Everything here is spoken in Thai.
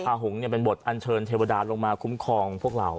ภาหุงเนี่ยเป็นบทอัญเชิญเทวดาลลงมาคุ้มครองพวกเรา